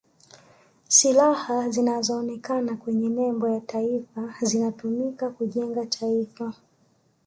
silaha zinazoonekana kwenye nembo ya taifa zinatumika kujenga taifa